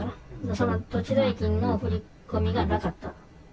その土地代金の振り込みがなかった。